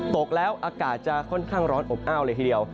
ตกแล้วอากาศจะค่อนข้างร้อนอบอ้าวเลยทีเดียว